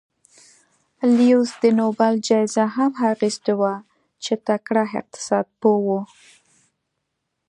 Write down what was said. لیوس د نوبل جایزه هم اخیستې وه چې تکړه اقتصاد پوه و.